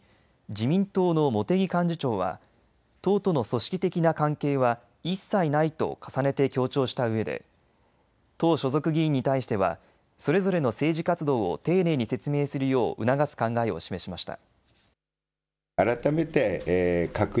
自民党の茂木幹事長は党との組織的な関係は一切ないと重ねて強調したうえで党所属議員に対してはそれぞれの政治活動を丁寧に説明するよう促す考えを示しました。